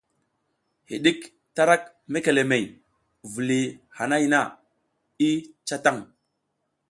Hiɗik tarak mekelemehey, viliy hanay na i ca tan.